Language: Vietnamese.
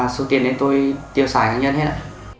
số tiền đấy tôi tiêu xài cá nhân hết